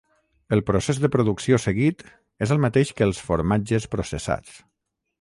El procés de producció seguit és el mateix que els formatges processats.